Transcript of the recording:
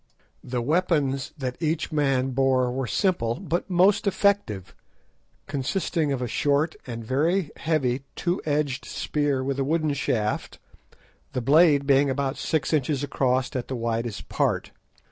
The weapons that each man bore were simple, but most effective, consisting of a short and very heavy two edged spear with a wooden shaft, the blade being about six inches across at the widest part.